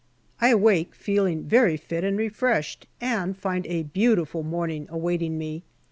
I awake feeling very fit and refreshed, and find a beauti ful morning awaiting me.